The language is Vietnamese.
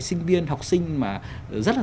sinh viên học sinh mà rất là